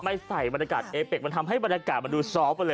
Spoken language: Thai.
ไม่ใส่บรรยากาศเอเบกทำให้บรรยากาศดูซอฟต์